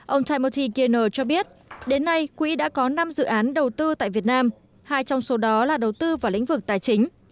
ông timorti kuner cho biết đến nay quỹ đã có năm dự án đầu tư tại việt nam hai trong số đó là đầu tư vào lĩnh vực tài chính